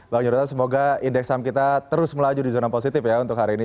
bang yudho semoga indeks saham kita terus melaju di zona positif ya untuk hari ini